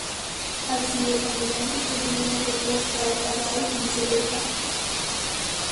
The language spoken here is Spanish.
Así, el camboyano influyó en las lenguas tai-Kadai y viceversa.